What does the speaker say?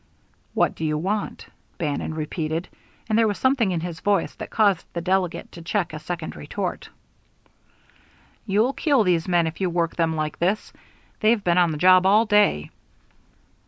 "What do you want?" Bannon repeated, and there was something in his voice that caused the delegate to check a second retort. "You'll kill these men if you work them like this. They've been on the job all day."